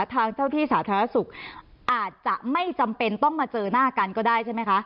ทางเจ้าที่สาธารณสุขอาจจะไม่จำเป็นต้องมาเจอหน้ากันก็ได้ใช่ไหมคะ